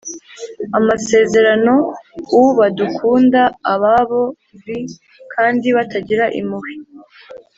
Amasezerano u badakunda ababo v kandi batagira impuhwe